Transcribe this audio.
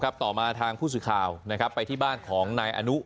ต่อมาทางผู้สื่อข่าวไปที่บ้านของนายอนุ